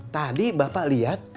tadi bapak lihat